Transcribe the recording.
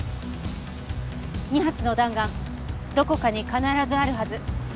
２発の弾丸どこかに必ずあるはず。